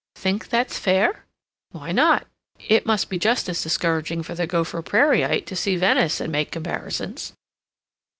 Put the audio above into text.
Think that's fair?" "Why not? It must be just as discouraging for the Gopher Prairieite to see Venice and make comparisons."